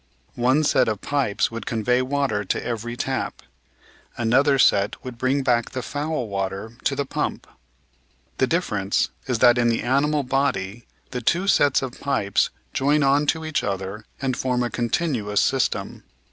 One set of pipes would convey water to every tap; another set would bring back the foul water to the pump. The difference is that in the animal body the two sets of pipes join on to each other and form a continuous system.